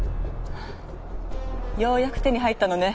はぁようやく手に入ったのね。